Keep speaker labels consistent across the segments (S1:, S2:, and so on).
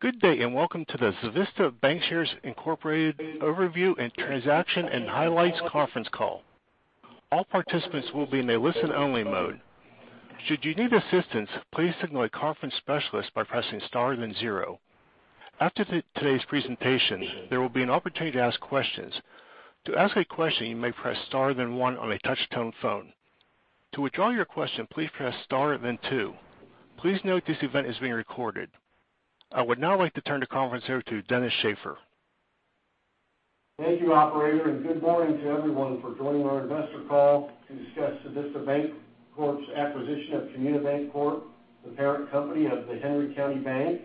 S1: Good day, and welcome to the Civista Bancshares Inc Overview and Transaction and Highlights Conference Call. All participants will be in a listen-only mode. Should you need assistance, please signal a conference specialist by pressing star then zero. After today's presentation, there will be an opportunity to ask questions. To ask a question, you may press star then one on a touch-tone phone. To withdraw your question, please press star then two. Please note this event is being recorded. I would now like to turn the conference over to Dennis Shaffer.
S2: Thank you, operator, and good morning to everyone for joining our investor call to discuss Civista Bancshares, Inc.'s acquisition of Comunibanc Corp., the parent company of The Henry County Bank.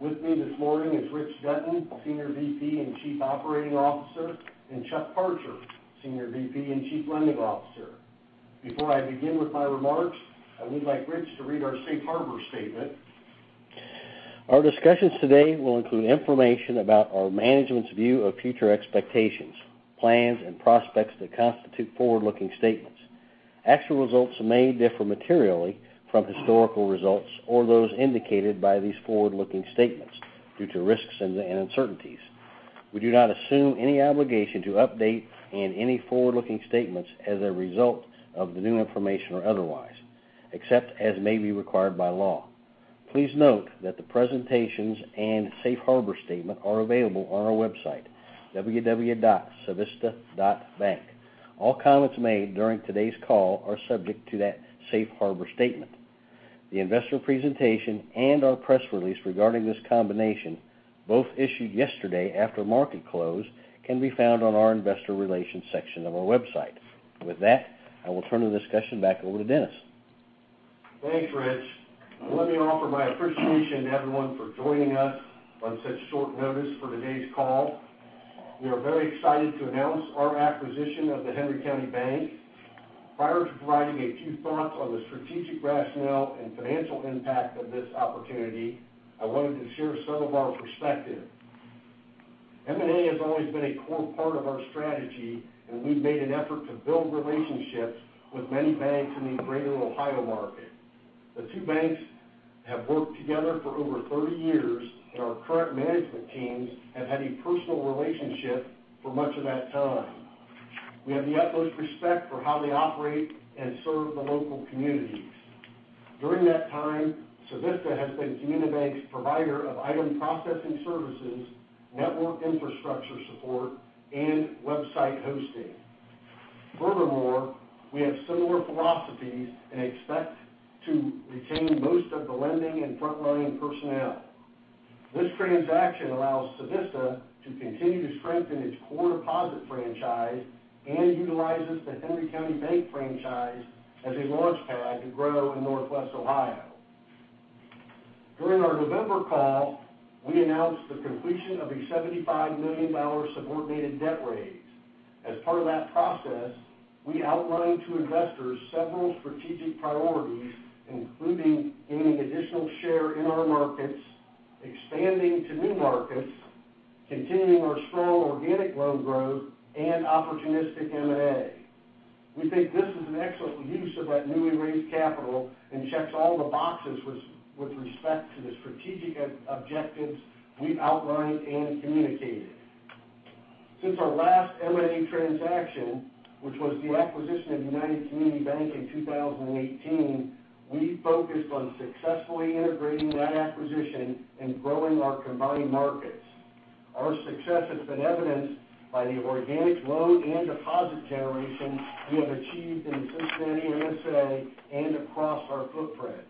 S2: With me this morning is Rich Dutton, Senior VP and Chief Operating Officer, and Chuck Parcher, Senior VP and Chief Lending Officer. Before I begin with my remarks, I would like Rich to read our safe harbor statement.
S3: Our discussions today will include information about our management's view of future expectations, plans, and prospects that constitute forward-looking statements. Actual results may differ materially from historical results or those indicated by these forward-looking statements due to risks and uncertainties. We do not assume any obligation to update in any forward-looking statements as a result of the new information or otherwise, except as may be required by law. Please note that the presentations and safe harbor statement are available on our website, www.civista.bank. All comments made during today's call are subject to that safe harbor statement. The investor presentation and our press release regarding this combination, both issued yesterday after market close, can be found on our investor relations section of our website. With that, I will turn the discussion back over to Dennis.
S2: Thanks, Rich. Let me offer my appreciation to everyone for joining us on such short notice for today's call. We are very excited to announce our acquisition of The Henry County Bank. Prior to providing a few thoughts on the strategic rationale and financial impact of this opportunity, I wanted to share some of our perspective. M&A has always been a core part of our strategy, and we've made an effort to build relationships with many banks in the Greater Ohio market. The two banks have worked together for over 30 years, and our current management teams have had a personal relationship for much of that time. We have the utmost respect for how they operate and serve the local community. During that time, Civista has been Comunibanc's provider of item processing services, network infrastructure support, and website hosting. Furthermore, we have similar philosophies and expect to retain most of the lending and front-line personnel. This transaction allows Civista to continue to strengthen its core deposit franchise and utilizes The Henry County Bank franchise as a launchpad to grow in Northwest Ohio. During our November call, we announced the completion of a $75 million subordinated debt raise. As part of that process, we outlined to investors several strategic priorities, including gaining additional share in our markets, expanding to new markets, continuing our strong organic loan growth, and opportunistic M&A. We think this is an excellent use of that newly raised capital and checks all the boxes with respect to the strategic objectives we've outlined and communicated. Since our last M&A transaction, which was the acquisition of United Community Bank in 2018, we focused on successfully integrating that acquisition and growing our combined markets. Our success has been evidenced by the organic loan and deposit generation we have achieved in the Cincinnati MSA and across our footprint.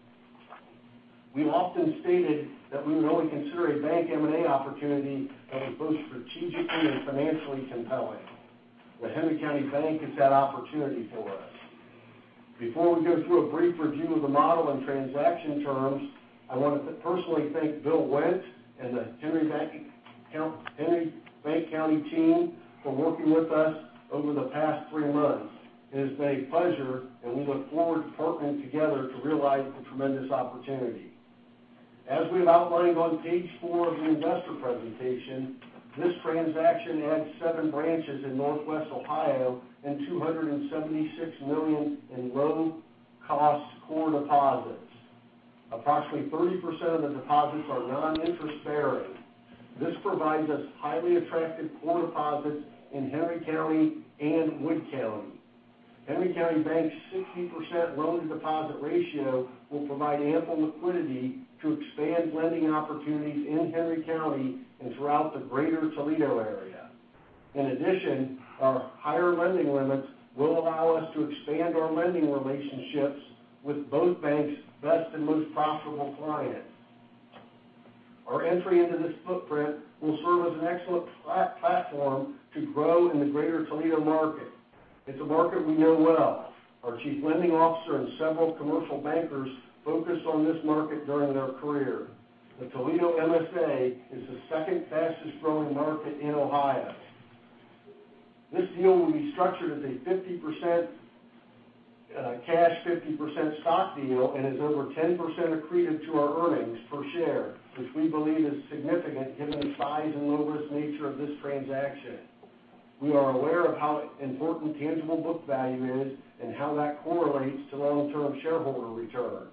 S2: We often stated that we would only consider a bank M&A opportunity that was both strategically and financially compelling. The Henry County Bank is that opportunity for us. Before we go through a brief review of the model and transaction terms, I want to personally thank Bill Wendt and the Henry County Bank team for working with us over the past three months. It has been a pleasure, and we look forward to partnering together to realize the tremendous opportunity. As we've outlined on page four of the investor presentation, this transaction adds seven branches in Northwest Ohio and $276 million in low-cost core deposits. Approximately 30% of the deposits are non-interest-bearing. This provides us highly attractive core deposits in Henry County and Wood County. Henry County Bank's 60% loan-to-deposit ratio will provide ample liquidity to expand lending opportunities in Henry County and throughout the greater Toledo area. In addition, our higher lending limits will allow us to expand our lending relationships with both banks' best and most profitable clients. Our entry into this footprint will serve as an excellent platform to grow in the greater Toledo market. It's a market we know well. Our Chief Lending Officer and several commercial bankers focused on this market during their career. The Toledo MSA is the second fastest-growing market in Ohio. This deal will be structured as a 50% cash, 50% stock deal and is over 10% accretive to our earnings per share, which we believe is significant given the size and low-risk nature of this transaction. We are aware of how important tangible book value is and how that correlates to long-term shareholder return.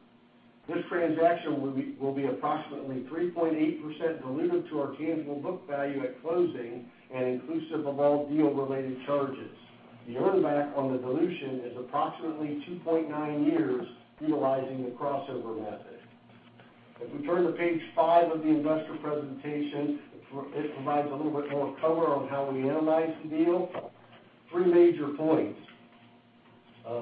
S2: This transaction will be approximately 3.8% dilutive to our tangible book value at closing and inclusive of all deal related charges. The earn back on the dilution is approximately 2.9 years utilizing the crossover method. If we turn to page five of the investor presentation, it provides a little bit more color on how we analyze the deal. Three major points.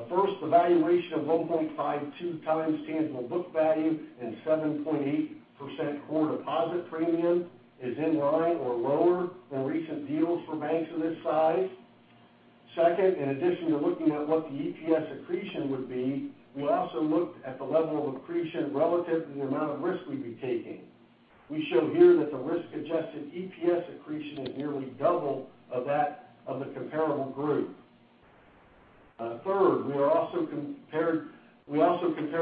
S2: First, the valuation of 1.52x tangible book value and 7.8% core deposit premium is in line or lower than recent deals for banks of this size. Second, in addition to looking at what the EPS accretion would be, we also looked at the level of accretion relative to the amount of risk we'd be taking. We show here that the risk-adjusted EPS accretion is nearly double of that of the comparable group. Third, we also compared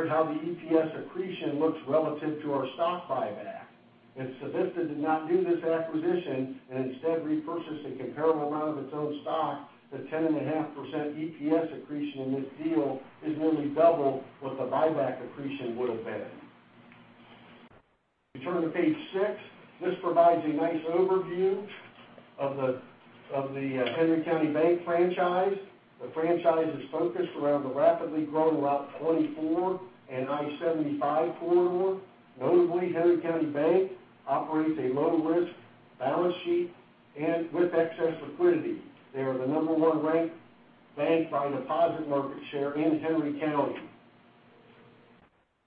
S2: how the EPS accretion looks relative to our stock buyback. If Civista did not do this acquisition and instead repurchased a comparable amount of its own stock, the 10.5% EPS accretion in this deal is nearly double what the buyback accretion would have been. If you turn to page six, this provides a nice overview of the Henry County Bank franchise. The franchise is focused around the rapidly growing Route 24 and I-75 corridor. Notably, Henry County Bank operates a low-risk balance sheet with excess liquidity. They are the No. One ranked bank by deposit market share in Henry County.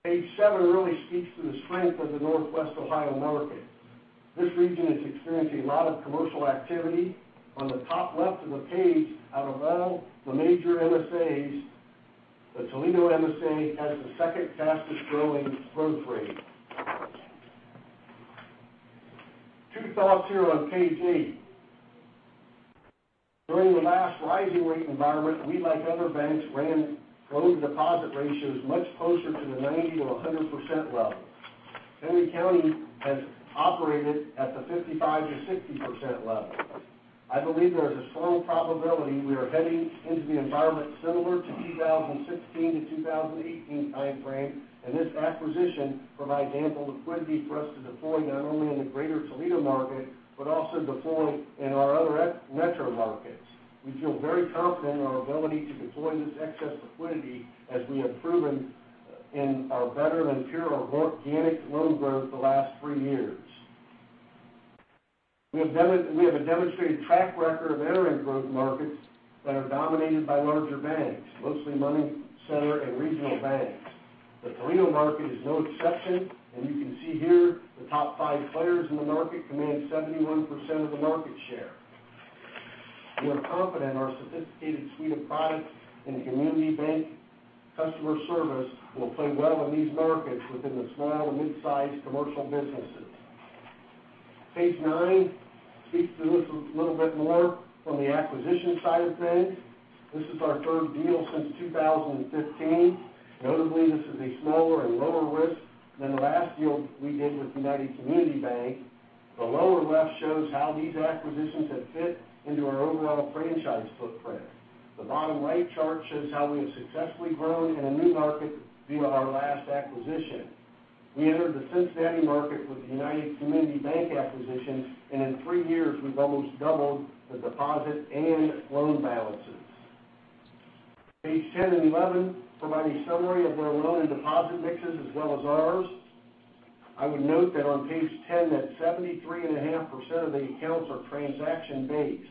S2: Page seven really speaks to the strength of the Northwest Ohio market. This region is experiencing a lot of commercial activity. On the top left of the page, out of all the major MSAs, the Toledo MSA has the second fastest growing growth rate. Two thoughts here on page eight. During the last rising rate environment, we, like other banks, ran loan-to-deposit ratios much closer to the 90% or 100% level. Henry County has operated at the 55%-60% level. I believe there is a strong probability we are heading into the environment similar to 2016-2018 timeframe, and this acquisition provides ample liquidity for us to deploy not only in the greater Toledo market, but also deploy in our other metro markets. We feel very confident in our ability to deploy this excess liquidity as we have proven in our better than peer organic loan growth the last three years. We have a demonstrated track record of entering growth markets that are dominated by larger banks, mostly money center and regional banks. The Toledo market is no exception, and you can see here the top five players in the market command 71% of the market share. We are confident our sophisticated suite of products and community bank customer service will play well in these markets within the small to mid-sized commercial businesses. Page nine speaks to this a little bit more from the acquisition side of things. This is our third deal since 2015. Notably, this is a smaller and lower risk than the last deal we did with United Community Bank. The lower left shows how these acquisitions have fit into our overall franchise footprint. The bottom right chart shows how we have successfully grown in a new market via our last acquisition. We entered the Cincinnati market with the United Community Bank acquisition, and in three years, we've almost doubled the deposit and loan balances. Page 10 and 11 provide a summary of their loan and deposit mixes as well as ours. I would note that on page 10 that 73.5% of the accounts are transaction-based.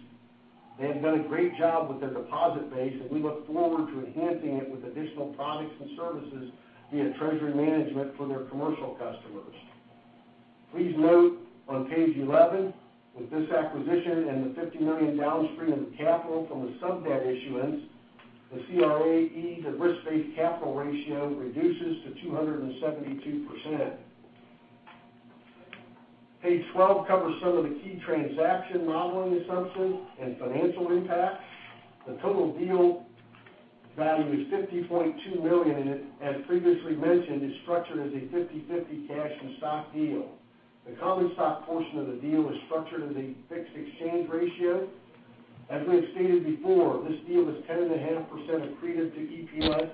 S2: They have done a great job with their deposit base, and we look forward to enhancing it with additional products and services via treasury management for their commercial customers. Please note on page 11, with this acquisition and the $50 million downstream of capital from the sub debt issuance, the CRE / Risk-Based Capital ratio reduces to 272%. Page 12 covers some of the key transaction modeling assumptions and financial impact. The total deal value is $50.2 million, and as previously mentioned, is structured as a 50/50 cash and stock deal. The common stock portion of the deal is structured as a fixed exchange ratio. As we have stated before, this deal is 10.5% accretive to EPS,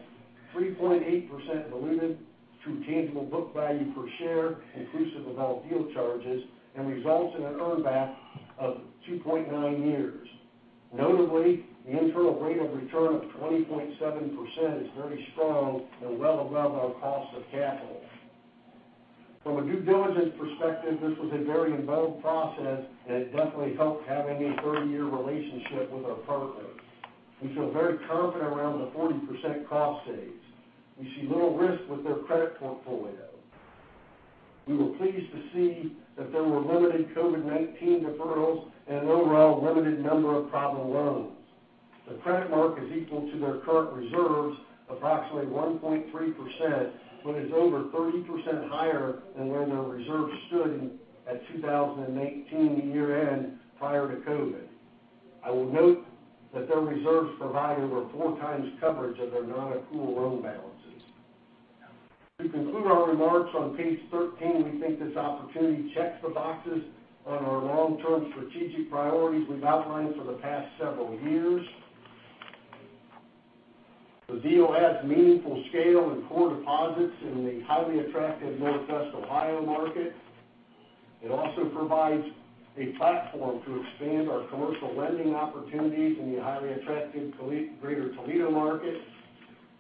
S2: 3.8% dilutive to tangible book value per share, inclusive of all deal charges, and results in an earn back of 2.9 years. Notably, the internal rate of return of 20.7% is very strong and well above our cost of capital. From a due diligence perspective, this was a very involved process, and it definitely helped having a 30-year relationship with our partners. We feel very confident around the 40% cost saves. We see little risk with their credit portfolio. We were pleased to see that there were limited COVID-19 deferrals and an overall limited number of problem loans. The credit mark is equal to their current reserves, approximately 1.3%, but is over 30% higher than where their reserves stood at 2018 year-end prior to COVID. I will note that their reserves provide over 4x coverage of their non-accrual loan balances. To conclude our remarks on page 13, we think this opportunity checks the boxes on our long-term strategic priorities we've outlined for the past several years. The deal has meaningful scale and core deposits in the highly attractive Northwest Ohio market. It also provides a platform to expand our commercial lending opportunities in the highly attractive Greater Toledo market.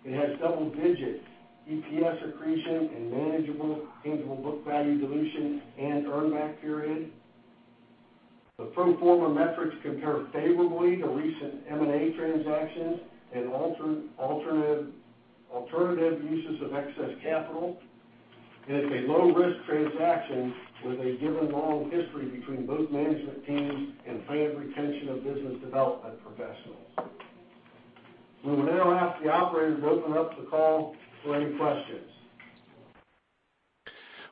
S2: It has double-digit EPS accretion and manageable tangible book value dilution and earnback period. The pro forma metrics compare favorably to recent M&A transactions and alternative uses of excess capital. It is a low-risk transaction with a given long history between both management teams and planned retention of business development professionals. We will now ask the operator to open up the call for any questions.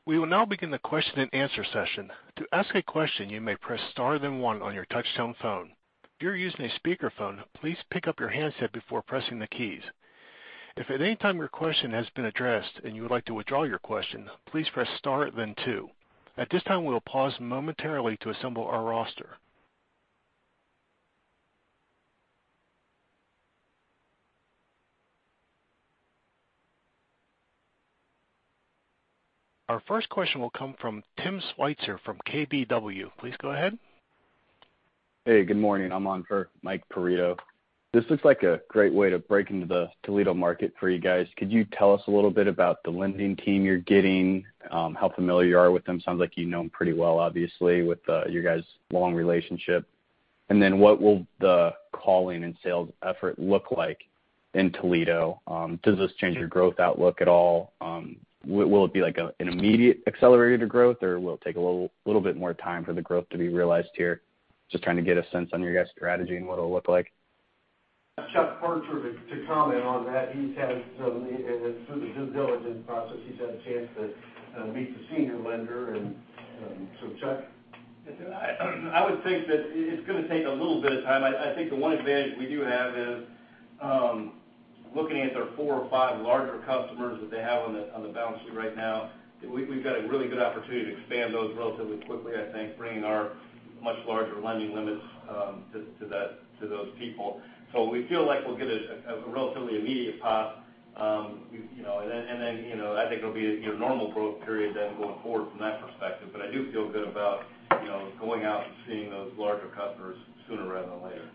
S1: We will now begin the question and answer session. To ask a question, you may press star then one on your touch-tone phone. If you're using a speakerphone, please pick up your handset before pressing the keys. If at any time your question has been addressed and you would like to withdraw your question, please press star then two. At this time, we will pause momentarily to assemble our roster. Our first question will come from Tim Switzer from KBW. Please go ahead.
S4: Hey, good morning. I'm on for Michael Perito. This looks like a great way to break into the Toledo market for you guys. Could you tell us a little bit about the lending team you're getting, how familiar you are with them? Sounds like you know them pretty well, obviously, with your guys' long relationship. Then what will the calling and sales effort look like in Toledo? Does this change your growth outlook at all? Will it be, like, an immediate accelerator to growth, or will it take a little bit more time for the growth to be realized here? Just trying to get a sense on your guys' strategy and what it'll look like.
S2: Chuck Parcher to comment on that. He's had some through the due diligence process. He's had a chance to meet the senior lender. So Chuck?
S5: I would think that it's gonna take a little bit of time. I think the one advantage we do have is looking at their four or five larger customers that they have on the balance sheet right now. We've got a really good opportunity to expand those relatively quickly, I think, bringing our much larger lending limits to those people. We feel like we'll get a relatively immediate pop, you know, and then, you know, I think it'll be your normal growth period then going forward from that perspective. I do feel good about, you know, going out and seeing those larger customers sooner rather than later.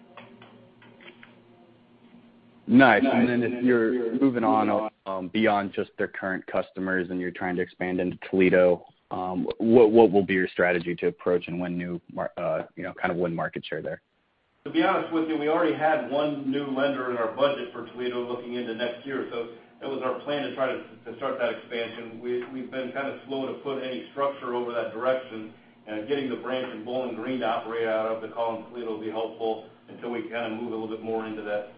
S4: Nice. Then if you're moving on, beyond just their current customers and you're trying to expand into Toledo, what will be your strategy to approach and you know, kind of win market share there?
S5: To be honest with you, we already had one new lender in our budget for Toledo looking into next year. It was our plan to try to start that expansion. We've been kind of slow to put any structure over that direction. Getting the branch in Bowling Green to operate out of to call into Toledo will be helpful until we kind of move a little bit more into that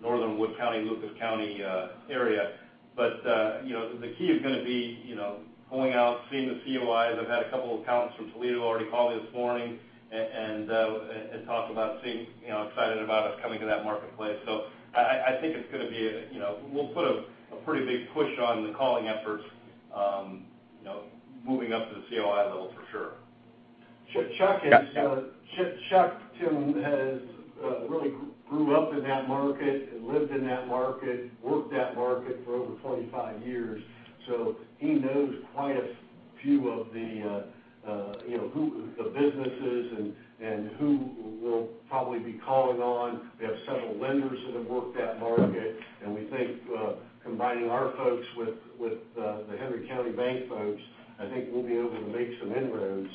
S5: northern Wood County, Lucas County area. You know, the key is gonna be you know, going out, seeing the COIs. I've had a couple of accountants from Toledo already call me this morning and talk about seeing, you know, excited about us coming to that marketplace. I think it's gonna be, you know, we'll put a pretty big push on the calling efforts, you know, moving up to the COI level for sure.
S2: Chuck has
S4: Yeah.
S2: Chuck, Tim has really grew up in that market and lived in that market, worked that market for over 25 years, so he knows quite a few of the who the businesses and who we'll probably be calling on. We have several lenders that have worked that market, and we think combining our folks with the Henry County Bank folks, I think we'll be able to make some inroads.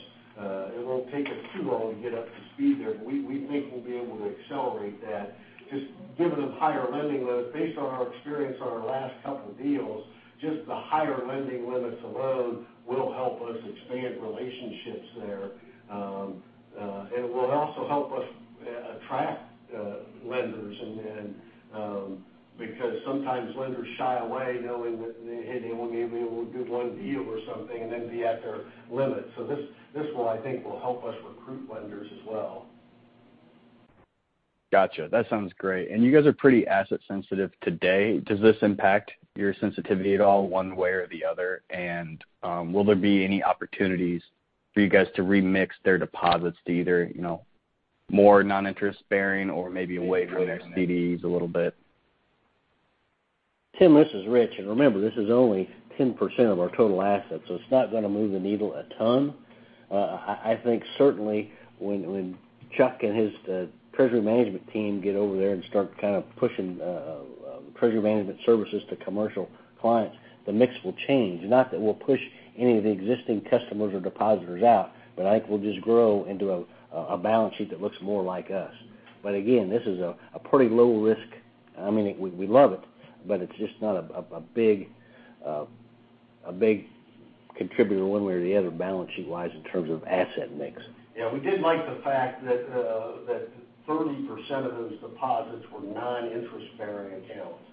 S2: It won't take us too long to get up to speed there, but we think we'll be able to accelerate that. Just giving them higher lending limits based on our experience on our last couple deals, just the higher lending limits alone will help us expand relationships there. It will also help us attract lenders and then, because sometimes lenders shy away knowing that they won't be able to do one deal or something and then be at their limit. So this will, I think, help us recruit lenders as well.
S4: Gotcha. That sounds great. You guys are pretty asset sensitive today. Does this impact your sensitivity at all one way or the other? Will there be any opportunities for you guys to remix their deposits to either, you know, more non-interest bearing or maybe a way for their CDs a little bit?
S3: Tim, this is Rich. Remember, this is only 10% of our total assets, so it's not gonna move the needle a ton. I think certainly when Chuck and his treasury management team get over there and start kind of pushing treasury management services to commercial clients, the mix will change. Not that we'll push any of the existing customers or depositors out, but I think we'll just grow into a balance sheet that looks more like us. Again, this is a pretty low risk. I mean, we love it, but it's just not a big contributor one way or the other balance sheet-wise in terms of asset mix.
S2: Yeah, we did like the fact that 30% of those deposits were non-interest bearing accounts.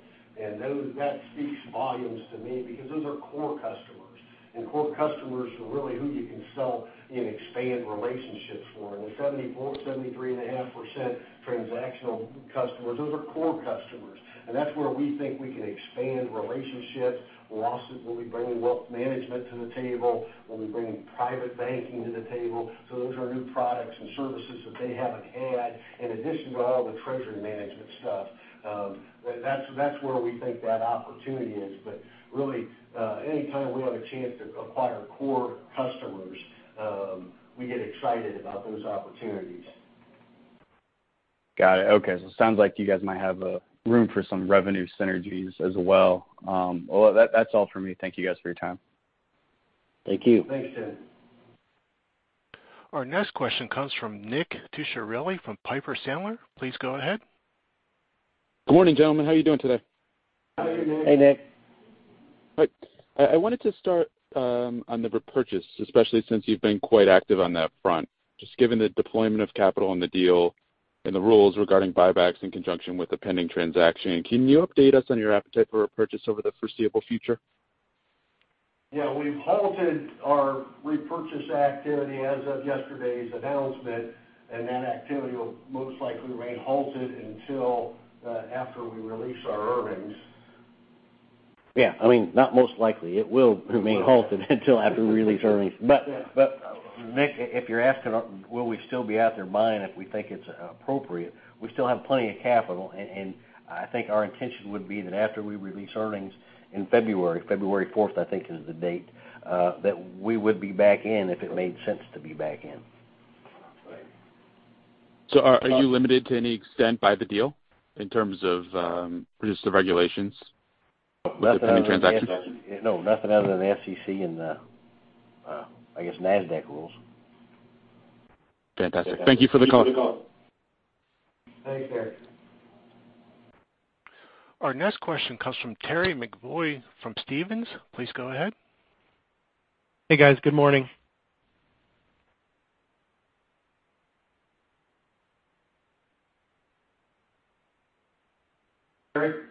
S2: Those that speak volumes to me because those are core customers and core customers are really who you can sell and expand relationships for. The 74%, 73.5% transactional customers, those are core customers. That's where we think we can expand relationships. We'll also be bringing wealth management to the table. We'll be bringing private banking to the table. Those are new products and services that they haven't had in addition to all the treasury management stuff. That's where we think that opportunity is. Really, anytime we have a chance to acquire core customers, we get excited about those opportunities.
S4: Got it. Okay. It sounds like you guys might have room for some revenue synergies as well. Well, that's all for me. Thank you guys for your time.
S3: Thank you.
S2: Thanks, Tim.
S1: Our next question comes from Nick Cucharale from Piper Sandler. Please go ahead.
S6: Good morning, gentlemen. How are you doing today?
S2: Good morning, Nick.
S3: Hey, Nick.
S6: I wanted to start on the repurchase, especially since you've been quite active on that front. Just given the deployment of capital on the deal and the rules regarding buybacks in conjunction with the pending transaction, can you update us on your appetite for repurchase over the foreseeable future?
S2: Yeah, we've halted our repurchase activity as of yesterday's announcement, and that activity will most likely remain halted until, after we release our earnings.
S3: Yeah, I mean, not most likely. It will remain halted until after we release earnings. But Nick, if you're asking, will we still be out there buying if we think it's appropriate, we still have plenty of capital. I think our intention would be that after we release earnings in February 4th, I think, is the date, that we would be back in if it made sense to be back in.
S2: Right.
S6: Are you limited to any extent by the deal in terms of just the regulations of the pending transaction?
S3: No, nothing other than the SEC and the, I guess, Nasdaq rules.
S6: Fantastic. Thank you for the call.
S2: Thank you for the call. Thanks, Nick.
S1: Our next question comes from Terry McEvoy from Stephens. Please go ahead.
S7: Hey, guys. Good morning.
S2: Terry?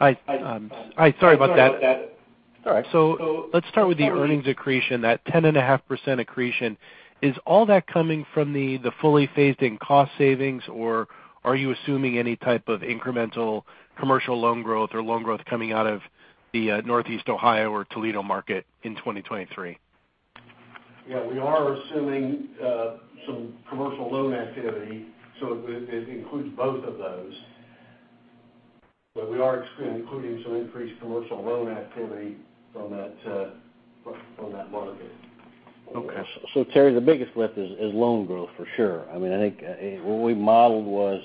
S7: I'm sorry about that.
S2: Sorry about that.
S7: All right. Let's start with the earnings accretion, that 10.5% accretion. Is all that coming from the fully phased-in cost savings, or are you assuming any type of incremental commercial loan growth or loan growth coming out of the Northeast Ohio or Toledo market in 2023?
S2: Yeah, we are assuming some commercial loan activity, so it includes both of those. We are including some increased commercial loan activity from that market.
S3: Okay. Terry, the biggest lift is loan growth for sure. I mean, I think what we modeled was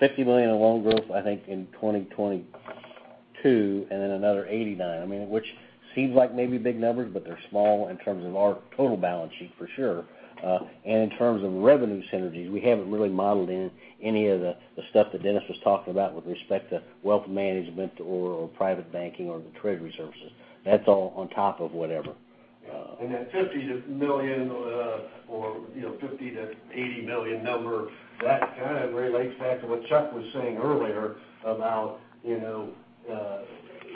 S3: $50 million in loan growth, I think, in 2022 and then another $89 million, I mean, which seems like maybe big numbers, but they're small in terms of our total balance sheet for sure. In terms of revenue synergies, we haven't really modeled in any of the stuff that Dennis was talking about with respect to wealth management or private banking or the treasury services. That's all on top of whatever.
S2: That $50 million, you know, $50 million-$80 million number, that kind of relates back to what Chuck was saying earlier about, you know,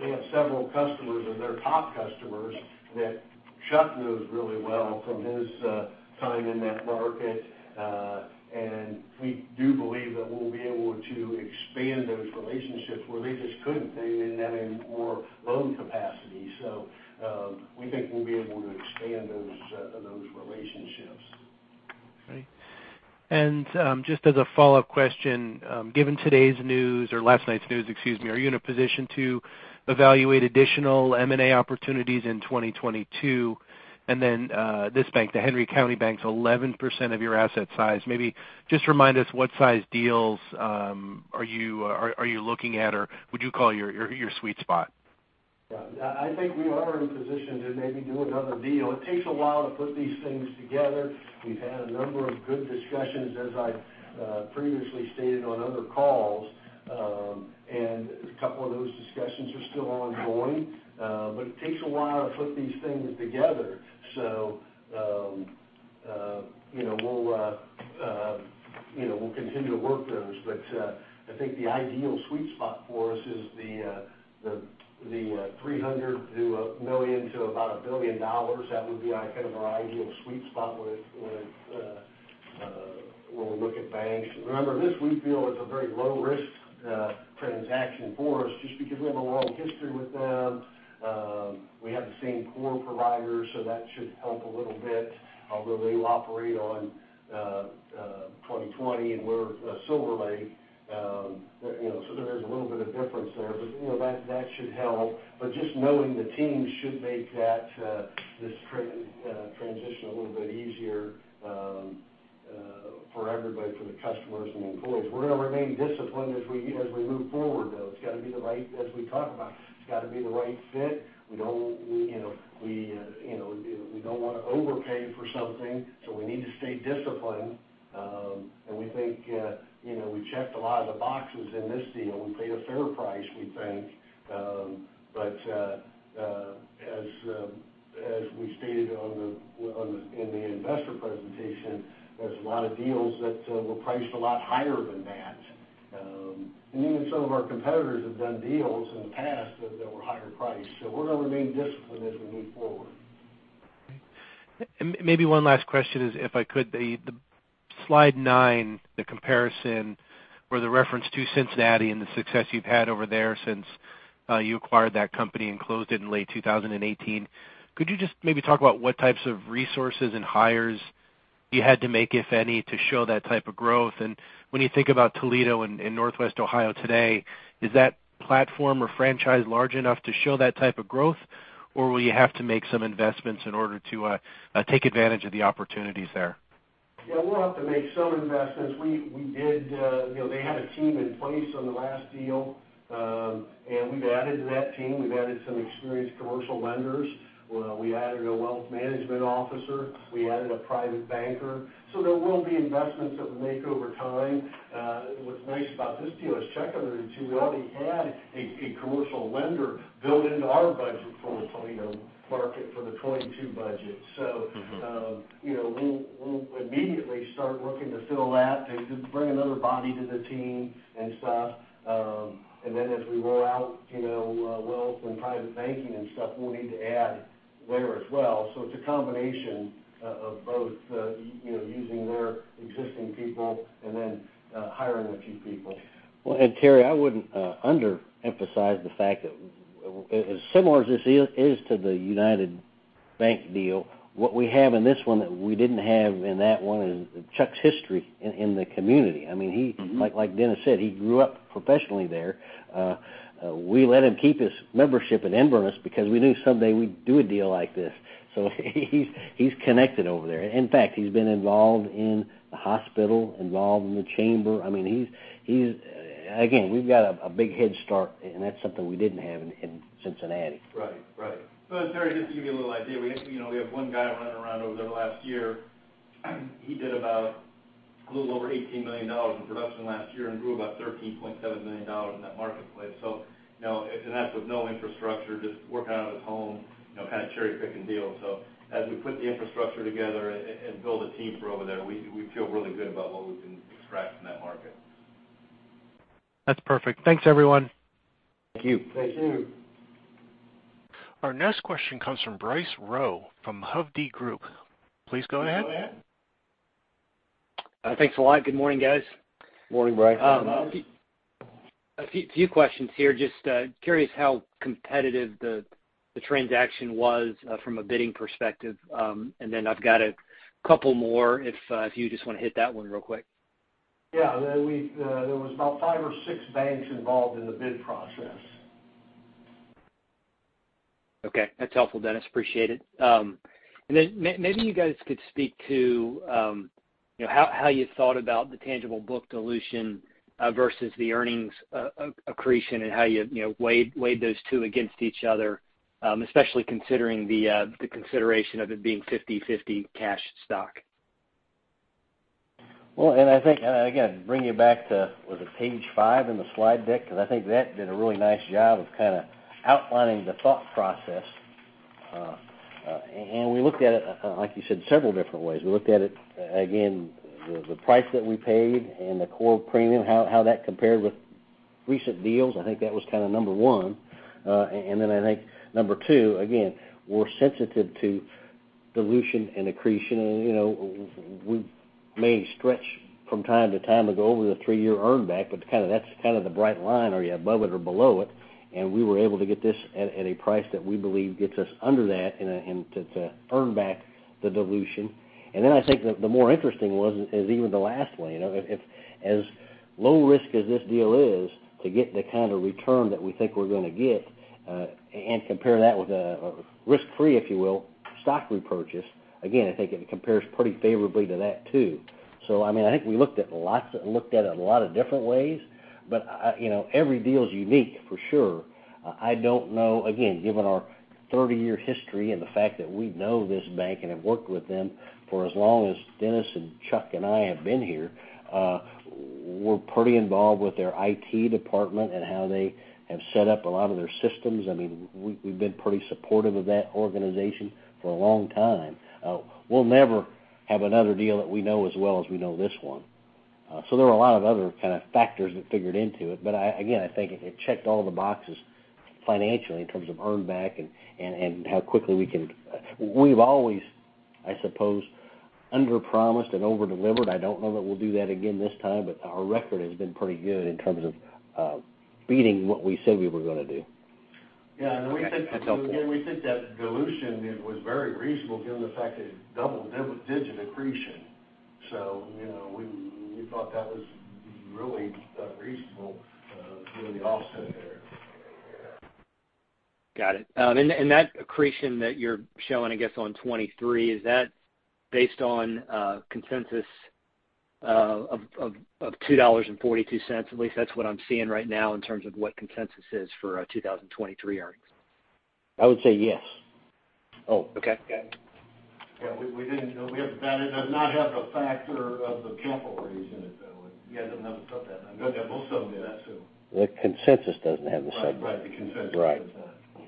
S2: they have several customers and they're top customers that Chuck knows really well from his time in that market. We do believe that we'll be able to expand those relationships where they just couldn't. They didn't have any more loan capacity. We think we'll be able to expand those relationships.
S7: Okay. Just as a follow-up question, given today's news or last night's news, excuse me, are you in a position to evaluate additional M&A opportunities in 2022? Then, this bank, The Henry County Bank is 11% of your asset size. Maybe just remind us what size deals are you looking at or would you call your sweet spot?
S2: Yeah. I think we are in position to maybe do another deal. It takes a while to put these things together. We've had a number of good discussions, as I've previously stated on other calls, and a couple of those discussions are still ongoing, but it takes a while to put these things together. You know, we'll continue to work those. I think the ideal sweet spot for us is the $300 million to about $1 billion. That would be kind of our ideal sweet spot with when we look at banks. Remember, this we feel is a very low risk transaction for us just because we have a long history with them. We have the same core providers, so that should help a little bit, although they operate on 20/20 and we're SilverLake. You know, so there's a little bit of difference there, but you know, that should help. Just knowing the teams should make that this transition a little bit easier for everybody, for the customers and the employees. We're going to remain disciplined as we move forward, though. It's got to be the right fit, as we talk about. We don't want to overpay for something, you know, so we need to stay disciplined. We think, you know, we checked a lot of the boxes in this deal. We paid a fair price, we think. As we stated in the investor presentation, there's a lot of deals that were priced a lot higher than that. Even some of our competitors have done deals in the past that were higher priced. We're gonna remain disciplined as we move forward.
S7: Okay. Maybe one last question is, if I could, the slide nine. The comparison or the reference to Cincinnati and the success you've had over there since you acquired that company and closed it in late 2018, could you just maybe talk about what types of resources and hires you had to make, if any, to show that type of growth? When you think about Toledo and Northwest Ohio today, is that platform or franchise large enough to show that type of growth, or will you have to make some investments in order to take advantage of the opportunities there?
S2: Yeah, we'll have to make some investments. You know, they had a team in place on the last deal, and we've added to that team. We've added some experienced commercial lenders. We added a wealth management officer. We added a private banker. So there will be investments that we make over time. What's nice about this deal is Chuck already had a commercial lender built into our budget for the Toledo market for the 2022 budget.
S7: Mm-hmm
S2: You know, we'll immediately start working to fill that, to just bring another body to the team and stuff. As we roll out, you know, wealth and private banking and stuff, we'll need to add there as well. It's a combination of both, you know, using their existing people and then hiring a few people.
S3: Well, Terry, I wouldn't under-emphasize the fact that as similar as this is to the United Bank deal, what we have in this one that we didn't have in that one is Chuck's history in the community. I mean, he-
S7: Mm-hmm
S3: Like Dennis said, he grew up professionally there. We let him keep his membership at Inverness because we knew someday we'd do a deal like this. So he's connected over there. In fact, he's been involved in the hospital, involved in the chamber. I mean, he's again, we've got a big head start, and that's something we didn't have in Cincinnati.
S2: Right. Terry, just to give you a little idea, we had, you know, one guy running around over there last year. He did about a little over $18 million in production last year and grew about $13.7 million in that marketplace. You know, and that's with no infrastructure, just working out of his home, you know, kind of cherry-picking deals. As we put the infrastructure together and build a team for over there, we feel really good about what we can extract from that market.
S7: That's perfect. Thanks, everyone.
S3: Thank you.
S2: Thank you.
S1: Our next question comes from Bryce Rowe from Hovde Group. Please go ahead.
S2: Please go ahead.
S8: Thanks a lot. Good morning, guys.
S3: Morning, Bryce.
S2: Morning.
S8: A few questions here. Just curious how competitive the transaction was from a bidding perspective. I've got a couple more if you just wanna hit that one real quick.
S2: Yeah. There was about five or six banks involved in the bid process.
S8: Okay. That's helpful, Dennis. Appreciate it. Maybe you guys could speak to, you know, how you thought about the tangible book dilution versus the earnings accretion and how you know, weighed those two against each other, especially considering the consideration of it being 50/50 cash stock.
S3: I think, again, bring you back to, was it page five in the slide deck? 'Cause I think that did a really nice job of kinda outlining the thought process. We looked at it like you said several different ways. We looked at the price that we paid and the core premium, how that compared with recent deals. I think that was kind of number one. I think number two, again, we're sensitive to dilution and accretion and, you know, we may stretch from time to time to go over the three-year earn back, but that's kind of the bright line, are you above it or below it? We were able to get this at a price that we believe gets us under that and to earn back the dilution. I think the more interesting is even the last one. You know, if as low risk as this deal is to get the kind of return that we think we're gonna get, and compare that with a risk-free, if you will, stock repurchase, again, I think it compares pretty favorably to that too. I mean, I think we looked at it a lot of different ways, but, you know, every deal is unique for sure. I don't know, again, given our 30-year history and the fact that we know this bank and have worked with them for as long as Dennis and Chuck and I have been here, we're pretty involved with their IT department and how they have set up a lot of their systems. I mean, we've been pretty supportive of that organization for a long time. We'll never have another deal that we know as well as we know this one. There are a lot of other kind of factors that figured into it. Again, I think it checked all the boxes financially in terms of earn back and how quickly we can. We've always, I suppose, underpromised and overdelivered. I don't know that we'll do that again this time, but our record has been pretty good in terms of beating what we said we were gonna do.
S2: Yeah. We think.
S8: Okay. That's helpful.
S2: Again, we think that dilution, it was very reasonable given the fact that it's double-digit accretion. You know, we thought that was really reasonable, doing the offset there. Yeah.
S8: Got it. That accretion that you're showing, I guess, on 2023, is that based on consensus of $2.42? At least that's what I'm seeing right now in terms of what consensus is for 2023 earnings.
S3: I would say yes.
S8: Oh, okay. Yeah.
S2: Yeah. You know, that does not have the factor of the capital raise in it, though. Yeah, it doesn't have that. I'm gonna have to send you that soon.
S3: The consensus doesn't have the second-
S2: Right. The consensus.
S3: Right
S2: does not.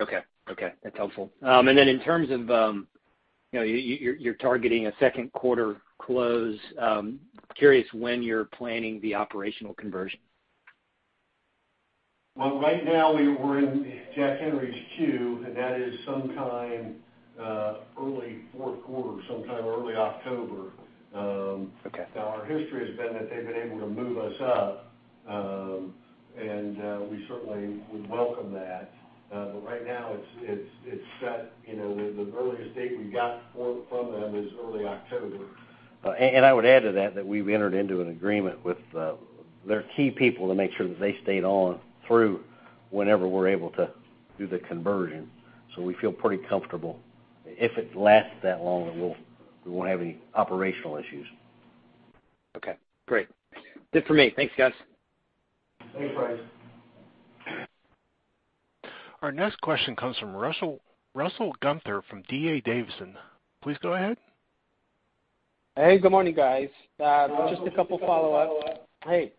S8: Okay. Okay, that's helpful. In terms of, you're targeting a second quarter close, curious when you're planning the operational conversion?
S2: Well, right now we're in Jack Henry's queue, and that is sometime early fourth quarter, sometime early October.
S8: Okay.
S2: Now our history has been that they've been able to move us up, and we certainly would welcome that. Right now it's set, you know, the earliest date we got from them is early October.
S3: I would add to that we've entered into an agreement with their key people to make sure that they stayed on through whenever we're able to do the conversion. We feel pretty comfortable. If it lasts that long, we won't have any operational issues.
S8: Okay, great. Good for me. Thanks, guys.
S2: Thanks, Bryce.
S1: Our next question comes from Russell Gunther from D.A. Davidson. Please go ahead.
S9: Hey, good morning, guys.
S2: Good morning.
S9: Just a couple follow-ups. Hey,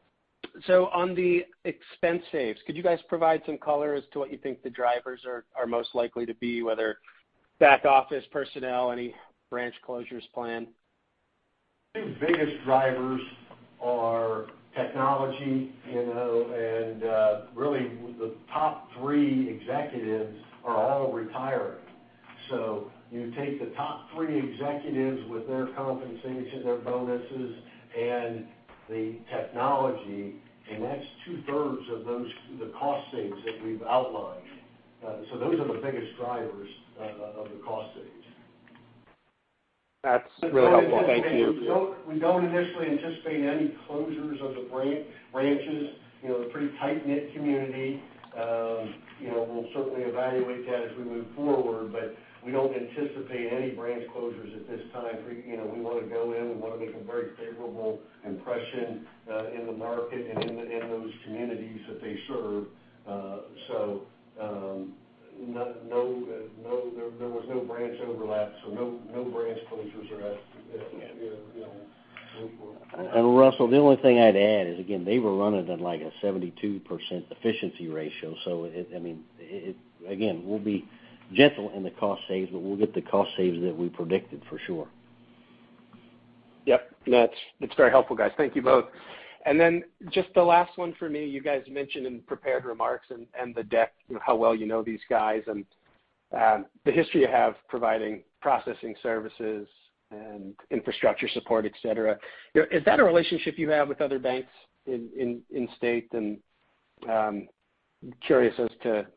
S9: so on the expense saves, could you guys provide some color as to what you think the drivers are most likely to be, whether back office personnel, any branch closures planned?
S2: The biggest drivers are technology, you know, and really the top three executives are all retiring. You take the top three executives with their compensation, their bonuses, and the technology, and that's two-thirds of those cost savings that we've outlined. Those are the biggest drivers of the cost savings.
S9: That's really helpful. Thank you.
S2: We don't initially anticipate any closures of the branches. You know, a pretty tight-knit community. You know, we'll certainly evaluate that as we move forward, but we don't anticipate any branch closures at this time. You know, we want to go in, we want to make a very favorable impression in the market and those communities that they serve. There was no branch overlap, so no branch closures are asked, you know, going forward.
S3: Russell, the only thing I'd add is, again, they were running at, like, a 72% efficiency ratio. So, it, I mean. Again, we'll be gentle in the cost saves, but we'll get the cost saves that we predicted for sure.
S9: Yep. That's very helpful, guys. Thank you both. Then just the last one for me. You guys mentioned in prepared remarks and the deck how well you know these guys and the history you have providing processing services and infrastructure support, et cetera. You know, is that a relationship you have with other banks in state? Curious as to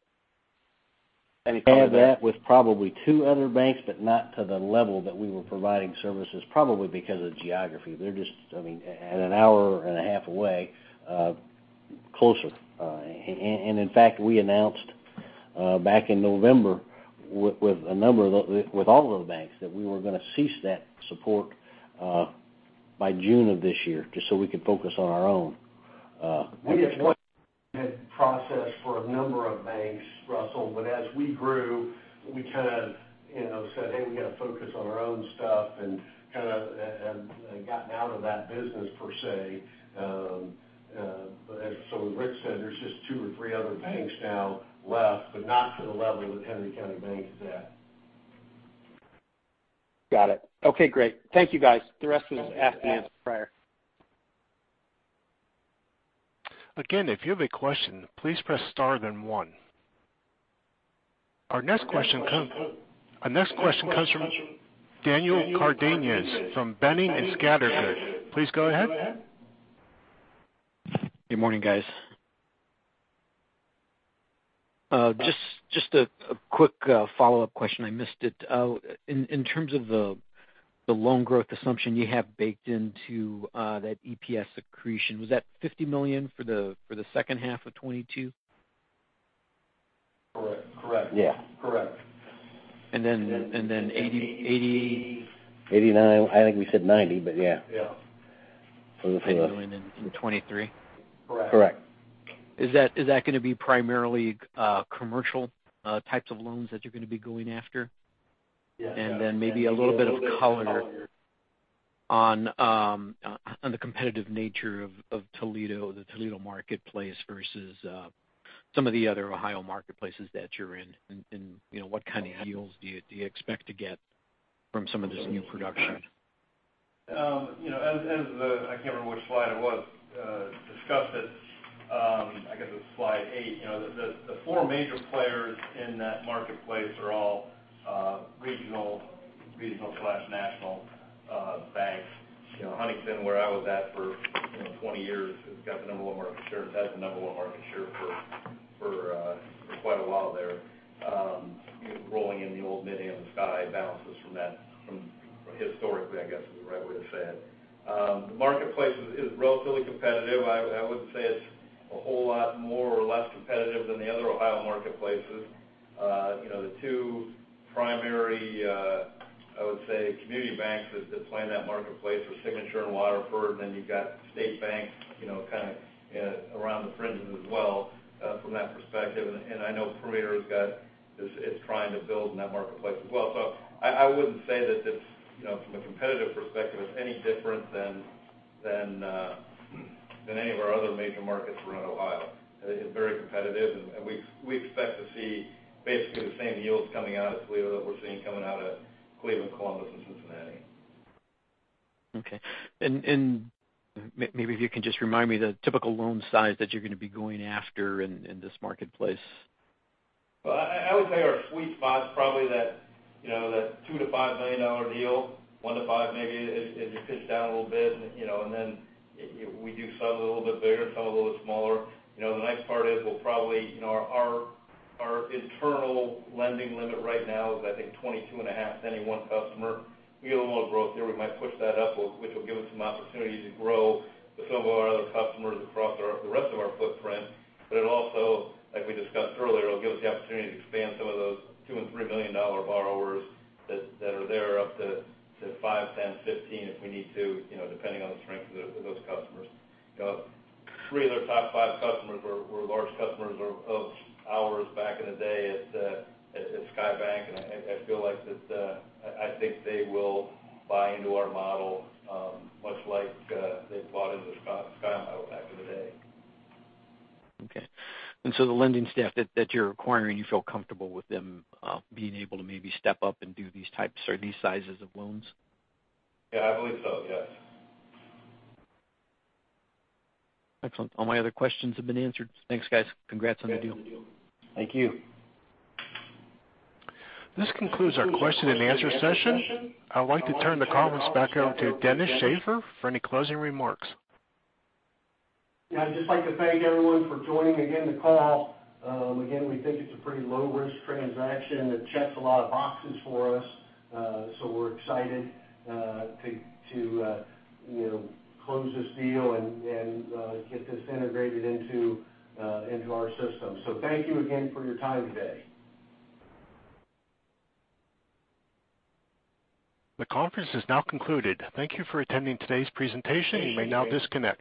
S9: any part of that.
S3: Had that with probably two other banks, but not to the level that we were providing services, probably because of geography. They're just, I mean, at an hour and a half away, closer. And in fact, we announced back in November with all of those banks that we were gonna cease that support by June of this year just so we could focus on our own.
S2: We had processed for a number of banks, Russell, but as we grew, we kind of, you know, said, "Hey, we got to focus on our own stuff," and kind of gotten out of that business per se. But as Rich said, there's just two or three other banks now left, but not to the level that Henry County Bank is at.
S9: Got it. Okay, great. Thank you, guys. The rest of this was asked and answered prior.
S1: Again, if you have a question, please press star then one. Our next question comes from Daniel Cardenas from Boenning & Scattergood. Please go ahead.
S10: Good morning, guys. Just a quick follow-up question, I missed it. In terms of the loan growth assumption you have baked into that EPS accretion, was that $50 million for the second half of 2022?
S2: Correct. Correct.
S3: Yeah.
S2: Correct.
S10: And then, and then 80, 80...
S3: 89. I think we said 90, but yeah.
S2: Yeah.
S3: For the-
S10: $50 million in 2023?
S3: Correct.
S2: Correct.
S10: Is that gonna be primarily commercial types of loans that you're gonna be going after?
S2: Yeah.
S10: Maybe a little bit of color on the competitive nature of Toledo, the Toledo marketplace versus some of the other Ohio marketplaces that you're in. You know, what kind of deals do you expect to get from some of this new production?
S2: You know, I can't remember which slide it was. I guess it was slide eight. You know, the four major players in that marketplace are all regional/national banks. You know, Huntington, where I was at for 20 years, has the number one market share for quite a while there. Rolling in the old Mid-Am Bank balances from that historically, I guess, is the right way to say it. The marketplace is relatively competitive. I wouldn't say it's a whole lot more or less competitive than the other Ohio marketplaces. You know, the two primary, I would say community banks that play in that marketplace are Signature and Waterford, and then you've got State Bank, you know, kind of, around the fringes as well, from that perspective. I know Premier is trying to build in that marketplace as well. I wouldn't say that it's, you know, from a competitive perspective, it's any different than Than, than any of our other major markets around Ohio. It's very competitive, and we expect to see basically the same yields coming out of Toledo that we're seeing coming out of Cleveland, Columbus and Cincinnati.
S10: Okay. Maybe if you can just remind me the typical loan size that you're gonna be going after in this marketplace.
S5: Well, I would say our sweet spot is probably that, you know, that $2 million-$5 million deal. One to five, maybe if it dips down a little bit, you know. We do some a little bit bigger and some a little bit smaller. You know, the nice part is we'll probably, you know, our internal lending limit right now is I think $22.5 million to any one customer. We get a little growth here, we might push that up, which will give us some opportunities to grow with some of our other customers across the rest of our footprint. It also, like we discussed earlier, it'll give us the opportunity to expand some of those $2 million and $3-million-dollar borrowers that are there up to $5 million, $10 million, $15 million if we need to, you know, depending on the strength of those customers. You know, three of their top five customers were large customers of ours back in the day at Sky Bank, and I feel like that, I think they will buy into our model much like they bought into the Sky model back in the day.
S10: Okay. The lending staff that you're acquiring, you feel comfortable with them, being able to maybe step up and do these types or these sizes of loans?
S5: Yeah, I believe so. Yes.
S10: Excellent. All my other questions have been answered. Thanks, guys. Congrats on the deal.
S5: Thank you.
S1: This concludes our question and answer session. I'd like to turn the conference back over to Dennis Shaffer for any closing remarks.
S2: Yeah, I'd just like to thank everyone for joining again the call. Again, we think it's a pretty low risk transaction. It checks a lot of boxes for us. We're excited to you know close this deal and get this integrated into our system. Thank you again for your time today.
S1: The conference is now concluded. Thank you for attending today's presentation. You may now disconnect.